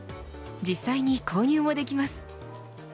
実際に購入もできます。